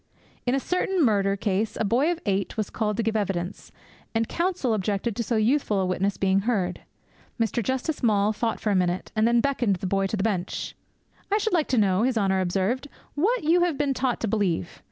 In a certain murder case a boy of eight was called to give evidence, and counsel objected to so youthful a witness being heard. Mr. Justice Maule thought for a minute, and then beckoned the boy to the bench. '"I should like to know," His Honour observed, "what you have been taught to believe.